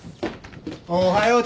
おはよう。